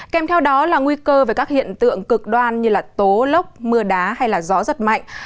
kèm theo đó là nguy cơ về các hiện tượng cực đoan như tố lốc mưa đá hay gió giật mạnh